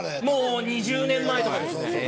もう２０年前とかですね。